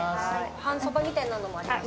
半そばみたいなのもあります？